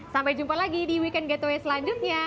sampai jumpa lagi di weekend getaway selanjutnya